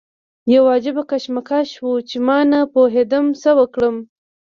یو عجیبه کشمکش و چې ما نه پوهېدم څه وکړم.